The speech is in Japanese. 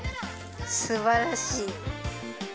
すばらしい。